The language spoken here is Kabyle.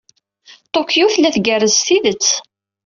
Tokyo tella tgerrez s tidet.